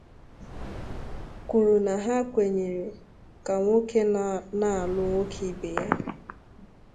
kwuru na ya kwenyere ka nwoke na-alụ nwoke ibe ya